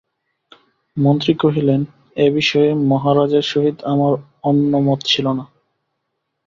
মন্ত্রী কহিলেন, এ-বিষয়ে মহারাজের সহিত আমার অন্য মত ছিল না।